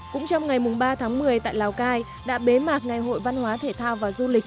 cũng trong ngày ba tháng một mươi tại lào cai đã bế mạc ngày hội văn hóa thể thao và du lịch